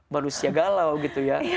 manusia galau gitu ya